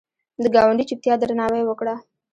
د ګاونډي چوپتیا درناوی وکړه